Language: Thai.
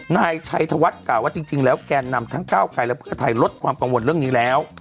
นายชัยธวัฒน์กล่าวว่าจริงแล้วแกนนำทั้งก้าวไกลและเพื่อไทยลดความกังวลเรื่องนี้แล้ว